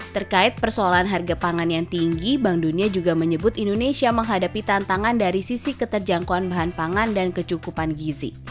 terkait persoalan harga pangan yang tinggi bank dunia juga menyebut indonesia menghadapi tantangan dari sisi keterjangkauan bahan pangan dan kecukupan gizi